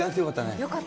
よかった。